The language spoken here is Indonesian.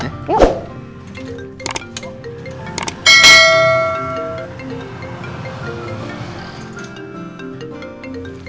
udah berapa ini